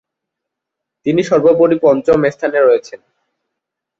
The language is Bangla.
তিনি সর্বোপরি পঞ্চম স্থানে রয়েছেন।